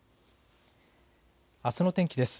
あすの天気です。